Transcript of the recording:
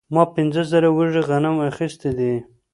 ما پنځه زره وږي غنم اخیستي دي